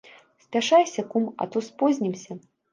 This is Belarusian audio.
Спяшайся, кум, а то спознімся.